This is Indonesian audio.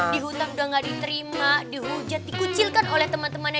dihutang udah gak diterima dihujat dikucilkan oleh teman temannya